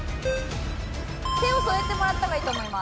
手を添えてもらった方がいいと思います。